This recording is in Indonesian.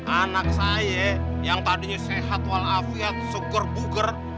anak saya yang tadinya sehat walau aku ya seger buger